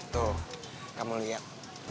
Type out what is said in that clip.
tuh kamu lihat